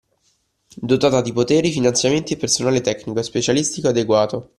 Dotata di poteri, finanziamenti e personale tecnico e specialistico adeguato